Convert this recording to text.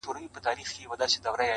ګل پر څانګه غوړېدلی باغ سمسور سو-